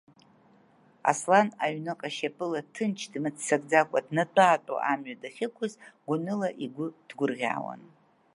Аслан аҩныҟа шьапыла ҭынч дмыццакӡакәа днатәа-аатәо амҩа дахьықәыз, гәаныла игәы ҭгәырӷьаауан.